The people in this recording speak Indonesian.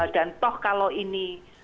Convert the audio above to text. dan toh kalau ini